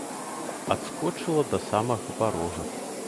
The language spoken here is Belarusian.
Адскочыла да самага парога.